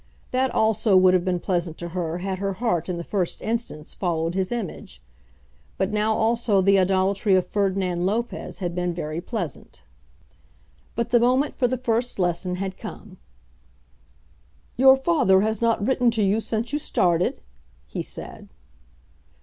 That also would have been pleasant to her had her heart in the first instance followed his image; but now also the idolatry of Ferdinand Lopez had been very pleasant. But the moment for the first lesson had come. "Your father has not written to you since you started?" he said.